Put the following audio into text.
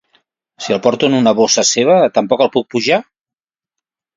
Si el porto en una bossa seva tampoc el puc pujar?